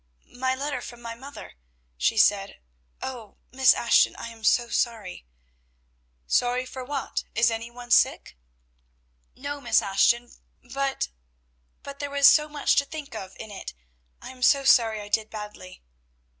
"My letter from my mother," she said, "O Miss Ashton, I am so sorry!" "Sorry for what? Is any one sick?" "No, Miss Ashton; but but there was so much to think of in it. I am so sorry I did badly."